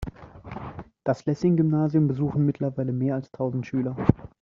Das Lessing-Gymnasium besuchen mittlerweile mehr als tausend Schüler.